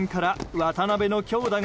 渡辺、強打！